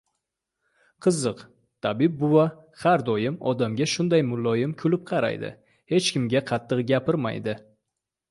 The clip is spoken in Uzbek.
Qiziq, tabib buva bar doim odamga shunaqa muloyim kulib qaraydi, hech kimga qattiq gapirmaydi.